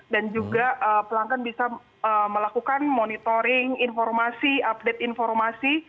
dan juga pelanggan bisa melakukan monitoring informasi update informasi